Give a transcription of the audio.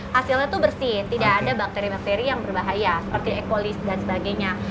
hasilnya tuh bersih tidak ada bakteri bakteri yang berbahaya seperti ekoli dan sebagainya